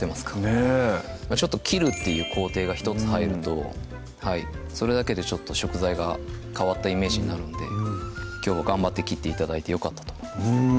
ねぇ切るっていう工程が１つ入るとそれだけでちょっと食材が変わったイメージになるんできょうは頑張って切って頂いてよかったと思います